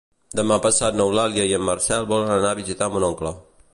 Demà passat n'Eulàlia i en Marcel volen anar a visitar mon oncle.